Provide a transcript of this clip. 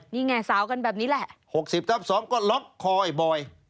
นี่ไงสาวกันแบบนี้แหละ๖๐ทับ๒ก็ล็อกคอไอ้บ่อย